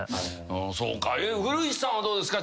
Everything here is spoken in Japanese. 古市さんはどうですか？